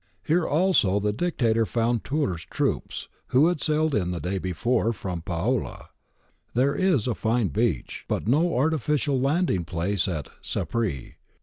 Here also the Dictator found Turr's troops, who had sailed in the day before from Paola.2 There is a fine beach, but no artificial landing place at Sapri.